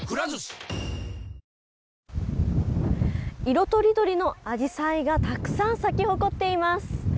色とりどりのアジサイがたくさん咲き誇っています。